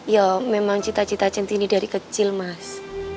ya memang cita cita centini dari kecil mas